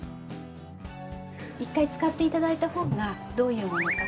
１回使って頂いた方がどういうものか。